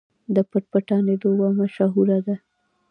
د پټ پټانې لوبه مشهوره ده.